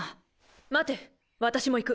待て私も行く。